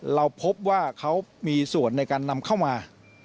เราพบว่าเขามีส่วนในการนำเข้ามา